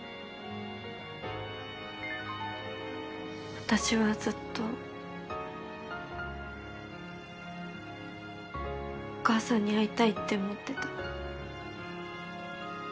私はずっとお母さんに会いたいって思ってた。